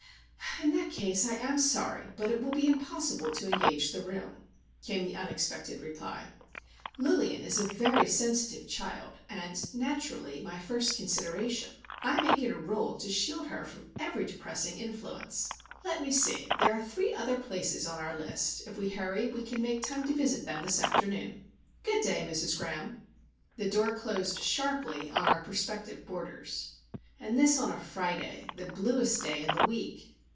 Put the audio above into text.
"In that case, I am sorry, but it will be impossible to engage the room," came the unexpected reply. "Lilian is a very sensitive child,—and, naturally, my first consideration. I make it a rule to shield her from every depressing influence. Let me see,—there are three other places on our list. If we hurry, we can make time to visit them this afternoon. Good day, Mrs. Graham." The door closed sharply on our prospective boarders. And this on a Friday,—the bluest day in the week!